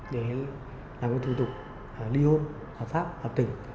để làm cái thủ tục ly hôn hợp pháp hợp tình